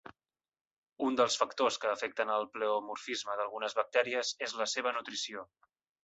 Un dels factors que afecten el pleomorfisme d'algunes bactèries es la seva nutrició.